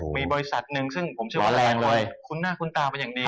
มีบริษัทหนึ่งซึ่งผมชื่อว่าคุณน่าคุณตามไปอย่างเดียว